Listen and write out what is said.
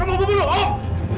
kamu buka dulu om